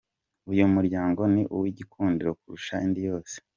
Uyu muryango ni uw’igikundiro kurusha indi yose.